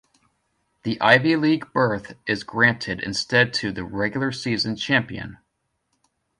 The Ivy League berth is granted instead to the regular-season champion.